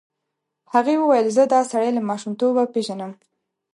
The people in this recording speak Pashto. هغې وویل زه دا سړی له ماشومتوبه پېژنم.